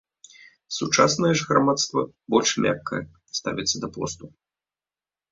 Сучаснае ж грамадства больш мякка ставіцца да посту.